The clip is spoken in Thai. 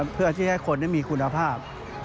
เพื่อที่ให้คนได้มีคุณภาพ